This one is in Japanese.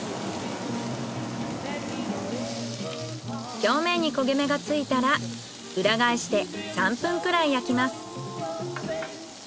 表面に焦げ目がついたら裏返して３分くらい焼きます。